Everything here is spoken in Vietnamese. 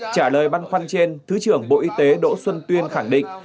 trả lời băn khoăn trên thứ trưởng bộ y tế đỗ xuân tuyên khẳng định